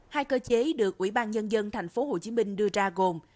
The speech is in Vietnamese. hai cơ chế được quỹ ban nhân dân thành phố